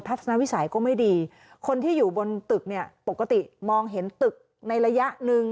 สนวิสัยก็ไม่ดีคนที่อยู่บนตึกเนี่ยปกติมองเห็นตึกในระยะหนึ่ง